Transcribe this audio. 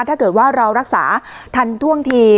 ถ้าเกิดว่าเรารักษาทันท่วงที